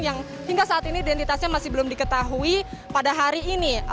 yang hingga saat ini identitasnya masih belum diketahui pada hari ini